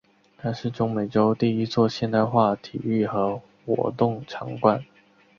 它是中美洲第一座现代化体育和活动场馆。